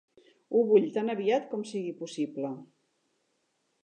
Ho vull tan aviat com sigui possible.